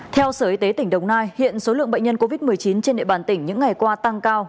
theo sở y tế tỉnh đồng nai hiện số lượng bệnh nhân covid một mươi chín trên địa bàn tỉnh những ngày qua tăng cao